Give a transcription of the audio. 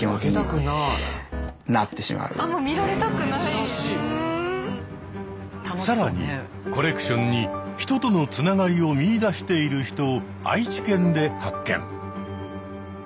やっぱり更にコレクションに人とのつながりを見いだしている人を愛知県で発見。